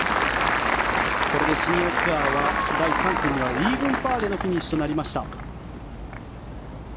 これでシニアツアーは第３組はイーブンパーでのフィニッシュとなりました。